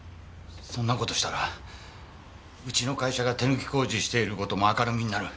そんな事したらうちの会社が手抜き工事している事も明るみになる。